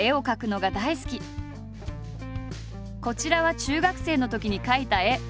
こちらは中学生のときに描いた絵。